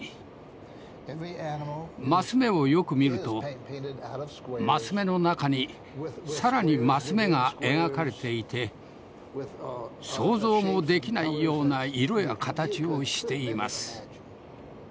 升目をよく見ると升目の中に更に升目が描かれていて想像もできないような色や形をしています。